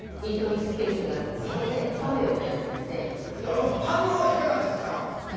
今反応はいかがですか？